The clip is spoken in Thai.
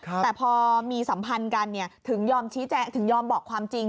แต่พอมีสัมพันธ์กันถึงยอมถึงยอมบอกความจริง